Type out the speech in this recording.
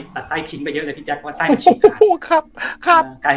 ตัดไส้ทิ้งไปเยอะเลยพี่แจ๊กเพราะว่าไส้มันชิดตายครับครับ